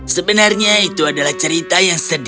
sebenarnya itu adalah cerita yang sederhana